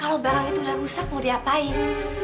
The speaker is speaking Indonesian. kalau barang itu udah rusak mau diapain